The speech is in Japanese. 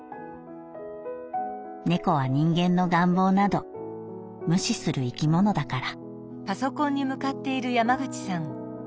猫は人間の願望など無視する生き物だから」。